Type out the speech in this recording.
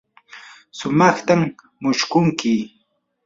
sumaqtam mushkunki.